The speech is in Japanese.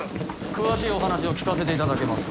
詳しいお話を聞かせていただけますか？